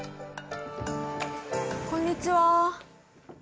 こんにちは。